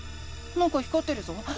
なんか光ってるぞ。